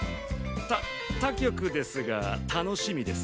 た他局ですが楽しみです。